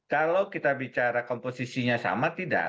kalau kita bicara komposisinya sama tidak